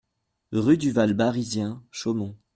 Rue du Val Barizien, Chaumont